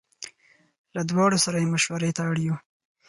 له دواړو سره یې مشوړې ته اړ یو.